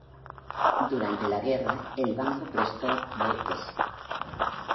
Durante la guerra, el banco prestó Bs.